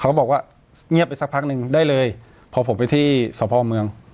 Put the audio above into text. เขาบอกว่าเงียบไปสักพักหนึ่งได้เลยพอผมไปที่สพเมือง